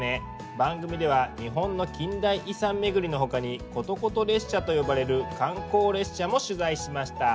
番組では日本の近代遺産巡りのほかにことこと列車と呼ばれる観光列車も取材しました。